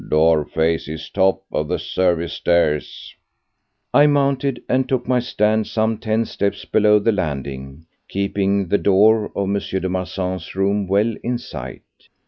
"Door faces top of the service stairs." I mounted and took my stand some ten steps below the landing, keeping the door of M. de Marsan's room well in sight.